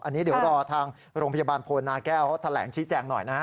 อันนี้เดี๋ยวรอทางโรงพยาบาลโพนาแก้วเขาแถลงชี้แจงหน่อยนะฮะ